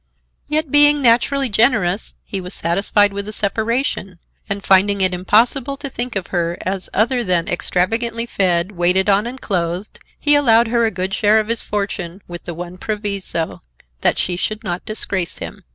Yet, being naturally generous, he was satisfied with a separation, and, finding it impossible to think of her as other than extravagantly fed, waited on and clothed, he allowed her a good share of his fortune with the one proviso, that she should not disgrace him.